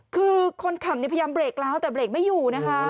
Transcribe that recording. คือคนขับนี่พยายามเบรกแล้วแต่เบรกไม่อยู่นะคะ